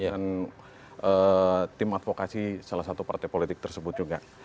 dan tim advokasi salah satu partai politik tersebut juga